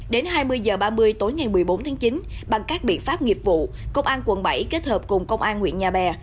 đến hai mươi h ba mươi tối ngày một mươi bốn tháng chín bằng các biện pháp nghiệp vụ công an quận bảy kết hợp cùng công an huyện nhà bè